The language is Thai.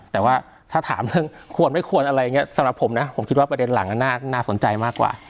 แต่ว่าถ้าถามเรื่องควรไม่ควรอะไรอย่างนี้สำหรับผมนะผมคิดว่าประเด็นหลังน่าสนใจมากกว่า